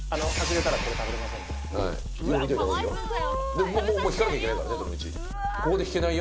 でももう引かなきゃいけないからねどの道。